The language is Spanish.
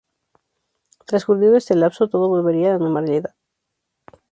Transcurrido ese lapso, todo volvería a la normalidad.